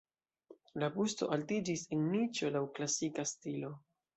La busto altiĝis en niĉo laŭ klasika stilo.